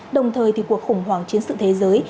đồng thời thì cuộc khủng hoảng chiến sự thế giới